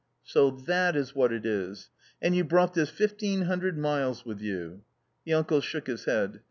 " So that is what it is. And you brought this 1500 miles with you ?" The uncle shook his head.